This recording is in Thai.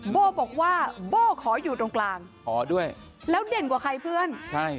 โบ้บอกว่าโบ้ขออยู่ตรงกลางอ๋อด้วยแล้วเด่นกว่าใครเพื่อนใช่